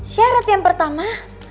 syarat yang pertama